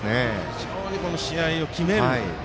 非常にこの試合を決める